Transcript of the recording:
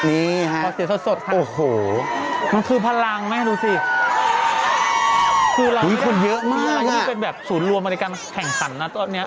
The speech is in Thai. นี่ค่ะโอ้โหมันคือพลังไหมดูสิคือเรานี่เป็นแบบศูนย์รวมบริการแข่งสรรค์นะตอนเนี้ย